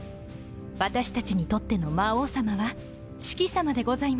私たちにとっての魔王さまはシキさまでございます。